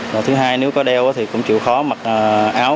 và thứ hai nếu có đeo thì cũng chịu khó mặc áo